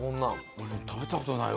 俺も食べたことないわ。